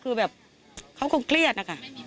คือแบบเขาคงเครียดนะคะ